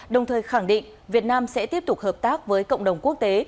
đồng thời khẳng định việt nam sẽ tiếp tục hợp tác với cộng đồng quốc tế